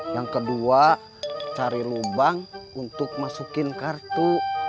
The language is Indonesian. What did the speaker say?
yang kedua cari lubang untuk masukin kartu